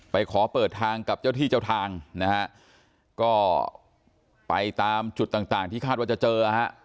ขอเปิดทางกับเจ้าที่เจ้าทางนะฮะก็ไปตามจุดต่างต่างที่คาดว่าจะเจอฮะ